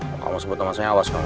kalau kamu sebut nama saya awas kamu